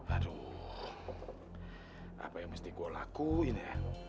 aduh apa yang mesti gue lakuin ya